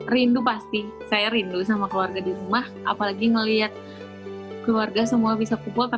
rindu pasti saya rindu sama keluarga di rumah apalagi ngeliat keluarga semua bisa kumpul